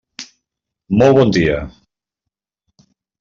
Molt bon dia.